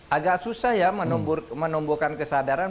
agak susah ya menumbuhkan kesadaran